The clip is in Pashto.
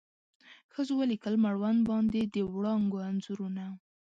ښځو ولیکل مړوند باندې د وړانګو انځورونه